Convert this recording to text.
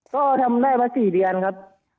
ก็ทำได้มา๔เดือนครับ